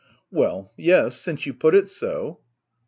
Well yes — since you put it so.